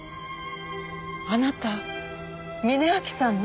あなた峯秋さんの？